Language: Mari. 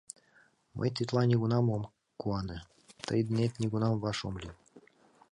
Мый тетла нигунам ом куане, Тый денет нигунам ваш ом лий.